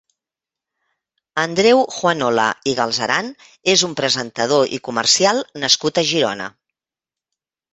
Andreu Juanola i Galceran és un presentador i comercial nascut a Girona.